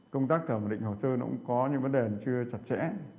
công tác thẩm định hồ sơ nó cũng có những vấn đề chưa chặt chẽ